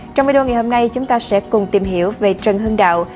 trong video ngày hôm nay chúng ta sẽ cùng tìm hiểu về trần hưng đạo